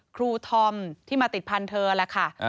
ครูธอมที่มาติดพันธุ์แหละค่ะ